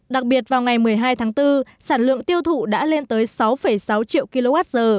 đặc biệt vào ngày một mươi hai tháng bốn sản lượng tiêu thụ đã lên tới sáu sáu triệu kwh